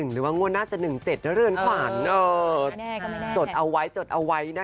๗๑หรือว่างวันน่าจะ๑๗